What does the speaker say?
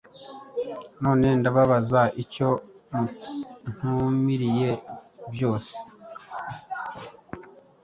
None ndababaza icyo muntumiriye byose?”